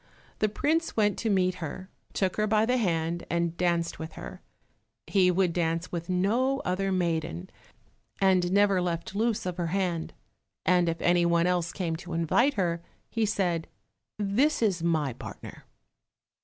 The prince went to meet her, took her by the hand and danced with her. He would dance with no other maiden, and never left loose of her hand, and if any one else came to invite her, he said, "This is my partner."